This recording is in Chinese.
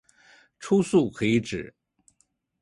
初速可以指